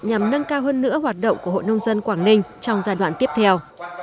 nhằm nâng cao hơn nữa hoạt động của hội nông dân quảng ninh trong giai đoạn tiếp theo